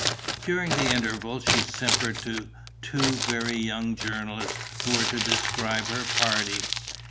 During the interval she simpered to two very young journalists who were to describe her party.